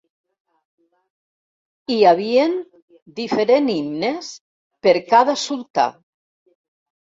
Hi havien diferent himnes per cada sultà.